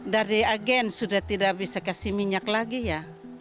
dari agen sudah tidak bisa kasih minyak lagi ya